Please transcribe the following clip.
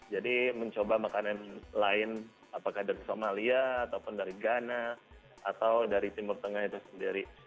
mencoba makanan lain apakah dari somalia ataupun dari ghana atau dari timur tengah itu sendiri